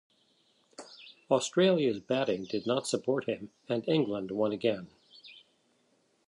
Australia's batting did not support him and England won again.